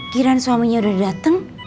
kiran suaminya udah dateng